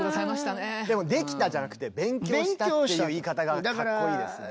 でも「できた」じゃなくて「勉強した」っていう言い方がかっこいいですね。